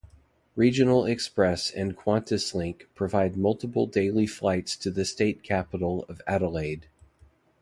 Regional Express and Qantaslink provide multiple daily flights to the state capital of Adelaide.